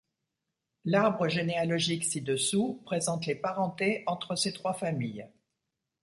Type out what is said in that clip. L'arbre généalogique ci-dessous présente les parentés entre ces trois familles.